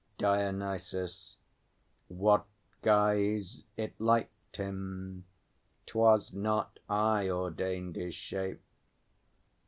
DIONYSUS. What guise It liked him. 'Twas not I ordained his shape.